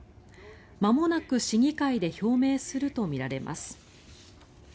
まもなく市議会で表明するとみられます。